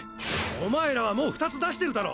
おまえらはもう２つ出してるだろ。